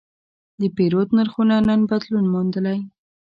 د پیرود نرخونه نن بدلون موندلی.